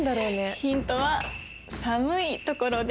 ヒントは寒いところで。